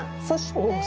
そして。